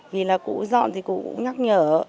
vì là cụ dọn thì cụ cũng nhắc nhở